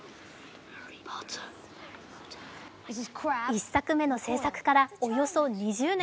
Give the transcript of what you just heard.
１作目の製作からおよそ２０年。